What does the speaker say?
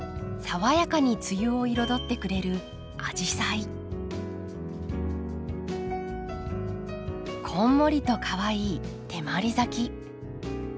爽やかに梅雨を彩ってくれるこんもりとかわいい手まり咲き。